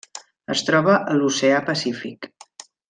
Es troba a l'oceà Pacífic: